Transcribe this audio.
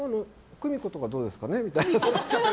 久美子とかどうですかねみたいな。